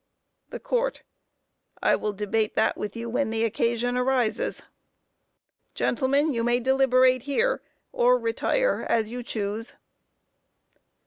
THE COURT: I will debate that with you when the occasion arises. Gentlemen, you may deliberate here, or retire, as you choose.